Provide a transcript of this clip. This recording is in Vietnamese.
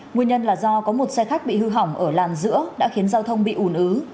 nguyên nhân là do có một xe khách bị hư hỏng ở làn giữa đã khiến giao thông bị ủn ứ